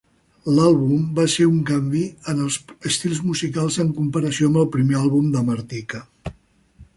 L'àlbum va ser un canvi en els estils musicals en comparació amb el primer àlbum de Martika.